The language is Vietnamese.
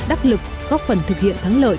đắc lực góp phần thực hiện thắng lợi